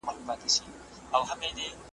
که سینه ساتې له خاره چي رانه سې .